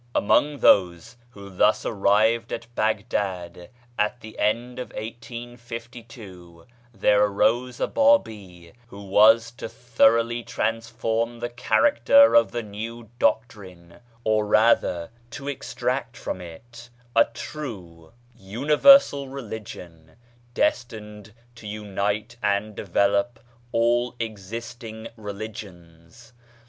Among those who thus arrived at Baghdad at the end of 1852, there arose a Babi who was to thoroughly transform the character of the new doctrine, or rather to extract from it a true, universal 42 THE EXILE OF THE BABIS 43 religion destined to unite and develop all existing religions.